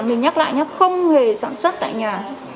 mình nhắc lại nó không hề sản xuất tại nhà